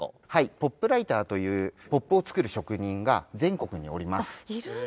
ＰＯＰライターというＰＯＰを作る職人が全国におります。